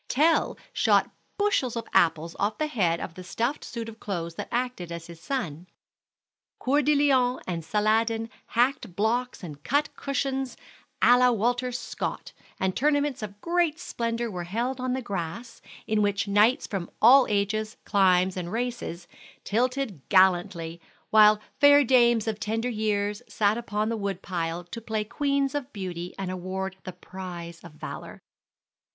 Tell shot bushels of apples off the head of the stuffed suit of clothes that acted his son, Coeur de Leon and Saladin hacked blocks and cut cushions à la Walter Scott, and tournaments of great splendor were held on the grass, in which knights from all ages, climes, and races, tilted gallantly, while fair dames of tender years sat upon the wood pile to play Queens of Beauty and award the prize of valor.